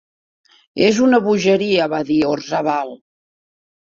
És una bogeria, va dir Orzabal.